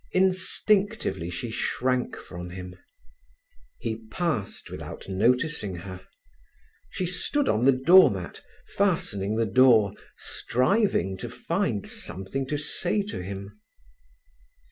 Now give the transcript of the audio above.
Instinctively she shrank from him. He passed without noticing her. She stood on the door mat, fastening the door, striving to find something to say to him.